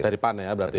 dari pan ya berarti ya